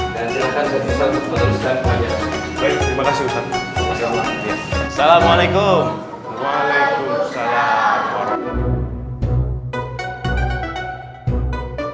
dan silakan ustadz musa lupa dan ustadz musa pelajaran